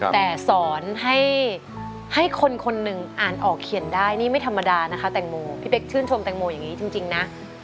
แต่สอนให้คนคนหนึ่งอ่านออกเขียนได้นี่ไม่ธรรมดานะคะแตงโมพี่เป๊กชื่นชมแตงโมอย่างนี้จริงนะ